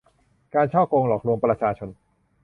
การฉ้อโกงหลอกลวงประชาชน